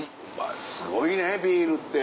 すごいねビールって。